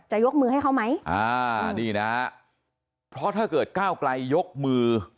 ยกมือให้เขาไหมอ่านี่นะฮะเพราะถ้าเกิดก้าวไกลยกมือ